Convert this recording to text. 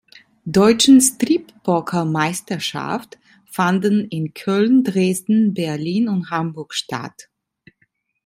Deutschen Strip-Poker-Meisterschaft“ fanden in Köln, Dresden, Berlin und Hamburg statt.